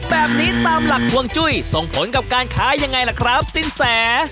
แบบนี้ตามหลักห่วงจุ้ยส่งผลกับการค้ายังไงล่ะครับสินแส